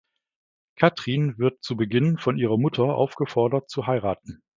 Katrin wird zu Beginn von ihrer Mutter aufgefordert zu heiraten.